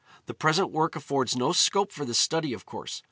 The present work affords no scope for this study, of course.